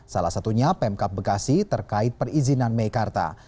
salah satunya pemkap bekasi terkait perizinan meikarta